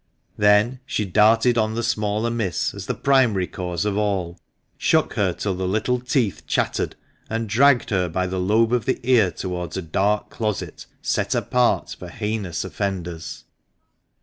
Then she darted on the smaller Miss as the primary cause of all, shook her till the little teeth chattered, and dragged her by the lobe of the ear towards a dark closet, set apart for heinous offenders.